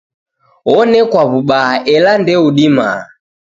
Onekwa w'ubaha ela ndeudima.